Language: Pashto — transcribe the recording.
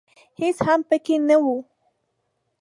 هېڅ هم پکښې نه و .